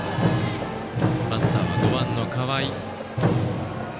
バッターは５番の河合。